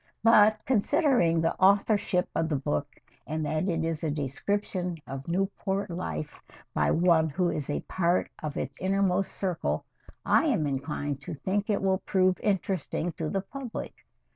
"But considering the authorship of the book and that it is a description of Newport life by one who is a part of its innermost circle, I am inclined to think it will prove interesting to the public.